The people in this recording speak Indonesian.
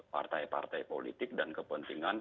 partai partai politik dan kepentingan